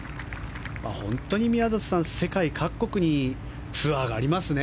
本当に宮里さん世界各国にツアーがありますね。